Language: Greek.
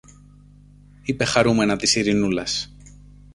είπε χαρούμενα της Ειρηνούλας